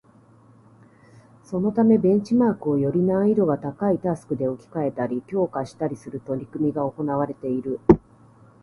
そのためベンチマークをより難易度が高いタスクで置き換えたり、強化したりする取り組みが行われている